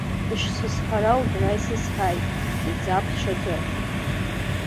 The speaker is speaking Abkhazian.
Ишсызҳара Убра исызҳаит, иӡап ҽаӡәы!